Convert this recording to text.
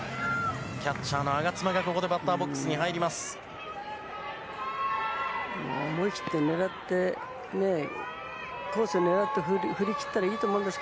キャッチャーの我妻が、ここでバッターボックスに入ります。